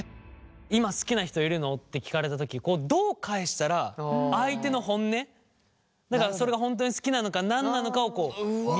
「今好きな人いるの？」って聞かれたときどう返したら相手の本音だからそれが本当に好きなのか何なのかを見極められるのか。